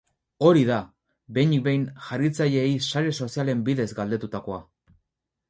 Hori da, behinik behin, jarraitzaileei sare sozialen bidez galdetutakoa.